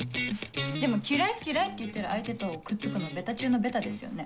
でも「嫌い嫌い」って言ってる相手とくっつくのベタ中のベタですよね。